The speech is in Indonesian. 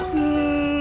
paham pak rw